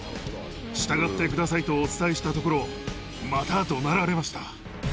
従ってくださいとお伝えしたところ、またどなられました。